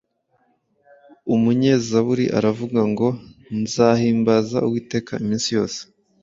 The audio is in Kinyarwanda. umunyezaburi aravuga ngo "nzahimbaza Uwiteka imisni yose,